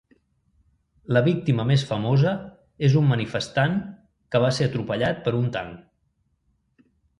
La víctima més famosa és un manifestant que va ser atropellat per un tanc.